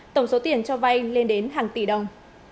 tổng số tiền cho vay lên đến hàng tỷ đồng